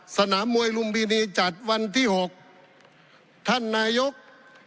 สนามมวยลุมพินีจัดวันที่หกท่านนายก